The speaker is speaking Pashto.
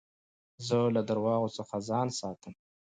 زه له درواغو څخه ځان ساتم.